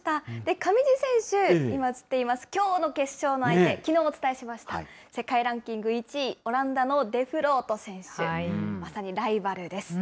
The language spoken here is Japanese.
上地選手、今、映っています、きょうの決勝の相手、きのうもお伝えしました、世界ランキング１位、オランダのデ・フロート選手、まさにライバルです。